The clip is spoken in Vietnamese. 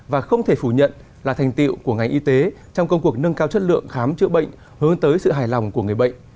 và không thể phủ nhận là thành tiệu của ngành y tế trong công cuộc nâng cao chất lượng khám chữa bệnh hướng tới sự hài lòng của người bệnh